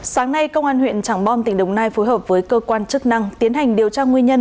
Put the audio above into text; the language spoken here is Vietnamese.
sáng nay công an huyện trảng bom tỉnh đồng nai phối hợp với cơ quan chức năng tiến hành điều tra nguyên nhân